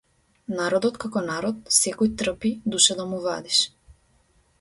Народот како народ секој трпи душа да му вадиш.